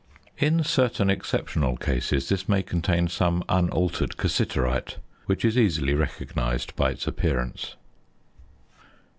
In certain exceptional cases this may contain some unaltered cassiterite, which is easily recognised by its appearance.